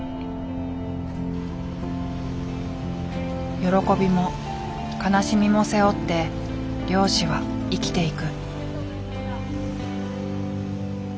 喜びも悲しみも背負って漁師は生きていく。